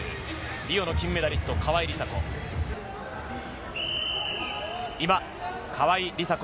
リオの金メダリスト、川井梨紗子。